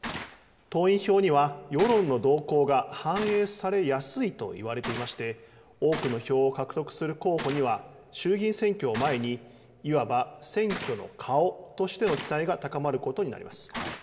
党員票には世論の動向が反映されやすいといわれていまして、多くの票を獲得する候補には、衆議院選挙を前に、いわば選挙の顔としての期待が高まることになります。